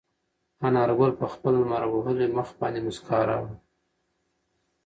انارګل په خپل لمر وهلي مخ باندې موسکا راوړه.